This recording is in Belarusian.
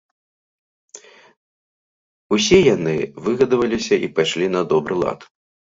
Усе яны выгадаваліся і пайшлі на добры лад.